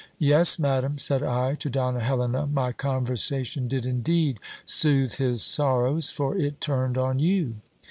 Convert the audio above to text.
Yes, madam, said I to Donna Helena, my conversation did indeed soothe his sorrows, for it turned on you.